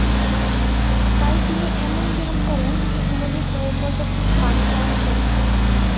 তাই যিনি এমন ব্যায়াম করেন, তিনি স্বাভাবিকভাবেই পর্যাপ্ত পানি পান করেন।